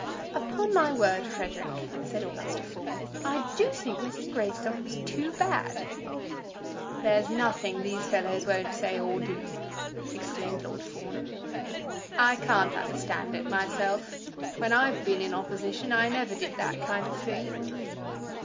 "Upon my word, Frederic," said Augusta Fawn, "I do think Mr. Greystock was too bad." "There's nothing these fellows won't say or do," exclaimed Lord Fawn. "I can't understand it myself. When I've been in opposition, I never did that kind of thing."